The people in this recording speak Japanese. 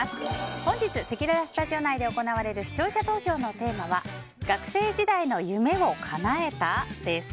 本日せきららスタジオ内で行われる視聴者投票のテーマは学生時代の夢をかなえた？です。